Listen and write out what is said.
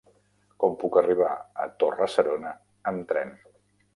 Com puc arribar a Torre-serona amb tren?